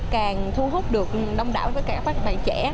càng thu hút được đông đảo với cả các bạn trẻ